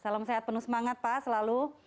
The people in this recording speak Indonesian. salam sehat penuh semangat pak selalu